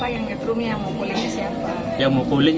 yang ditrumnya siapa yang mukulin siapa